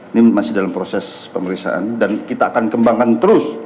ini masih dalam proses pemeriksaan dan kita akan kembangkan terus